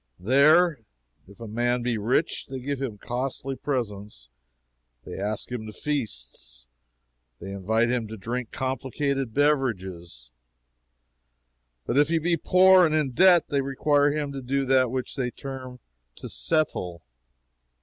There, if a man be rich, they give him costly presents, they ask him to feasts, they invite him to drink complicated beverages; but if he be poor and in debt, they require him to do that which they term to 'settle.'